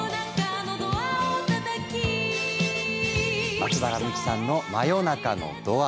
松原みきさんの「真夜中のドア」。